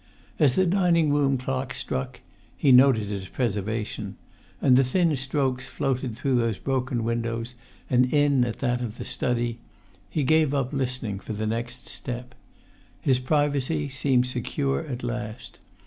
As the dining room clock struck—he noted its preservation—and the thin strokes floated through those broken windows and in at that of the study, he gave up listening for the next step. His privacy seemed secure at last.